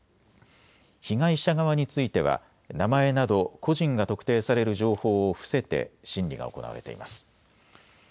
被害者側については名前など個人が特定される情報を伏せて審理が行われています。